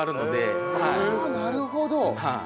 なるほど！